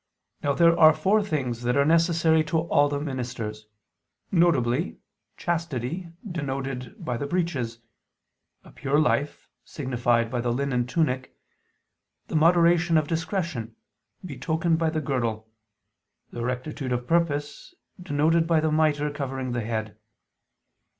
Now there are four things that are necessary to all His ministers, viz. chastity denoted by the breeches; a pure life, signified by the linen tunic; the moderation of discretion, betokened by the girdle; and rectitude of purpose, denoted by the mitre covering the head.